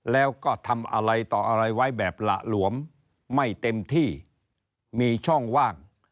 แล้วก็ทำอะไรต่ออะไรไว้แบบหละหลวมไม่เต็มที่มีช่องว่าง